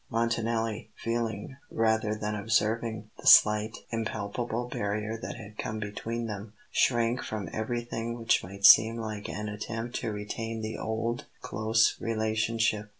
Montanelli, feeling, rather than observing, the slight, impalpable barrier that had come between them, shrank from everything which might seem like an attempt to retain the old close relationship.